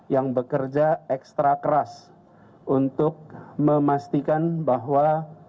yang bekerja ekstra keras untuk memastikan bahwa